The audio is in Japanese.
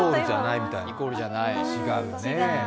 違うよね。